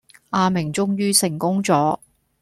阿明終於成功咗